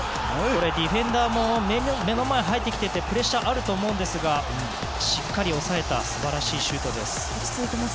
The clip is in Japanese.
ディフェンダーも目の前に入ってきていてプレッシャーがあると思うんですが、しっかり抑えた素晴らしいシュートです。